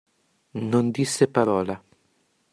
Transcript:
Non disse parola.